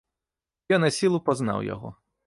Я насілу пазнаў яго.